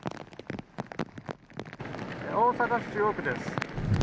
大阪市中央区です。